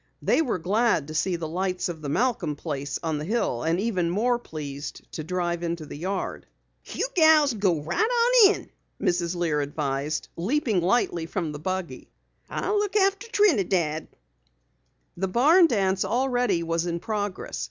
They were glad to see the lights of the Malcom place on the hill and even more pleased to drive into the yard. "You gals go right on in," Mrs. Lear advised, leaping lightly from the buggy. "I'll look after Trinidad." The barn dance already was in progress.